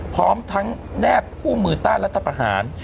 พร้อมทั้งแนบคู่มือต้านรัฐประหาร